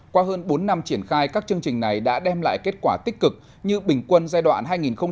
qua hơn bốn năm triển khai các chương trình này đã đem lại kết quả tích cực như bình quân giai đoạn hai nghìn một mươi sáu hai nghìn hai mươi